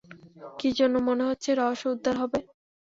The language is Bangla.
কি জন্যে মনে হচ্ছে রহস্য উদ্ধার হবে?